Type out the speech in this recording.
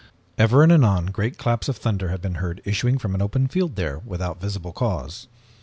Ever and anon great claps of thunder have been heard issuing from an open field there without visible cause.